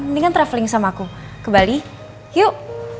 mendingan traveling sama aku ke bali yuk